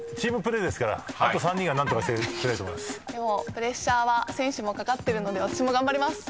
プレッシャーは選手もかかってるので私も頑張ります。